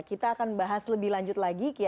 kita akan bahas lebih lanjut lagi